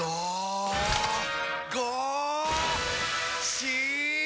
し！